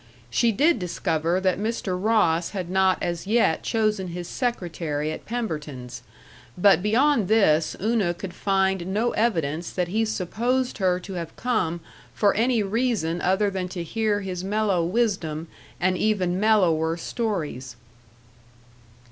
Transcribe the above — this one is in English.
She did discover that Mr. Ross had not as yet chosen his secretary at Pemberton's, but beyond this Una could find no evidence that he supposed her to have come for any reason other than to hear his mellow wisdom and even mellower stories.